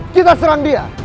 kita serang dia